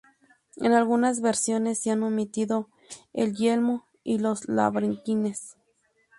En algunas versiones se han omitido el yelmo y los lambrequines.